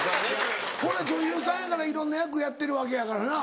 これ女優さんやからいろんな役やってるわけやからな。